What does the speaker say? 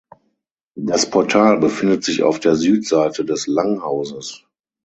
Das Portal befindet sich auf der Südseite des Langhauses.